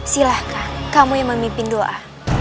silahkan kamu yang memimpin doa